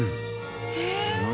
何？